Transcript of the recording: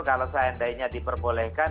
kalau seandainya diperbolehkan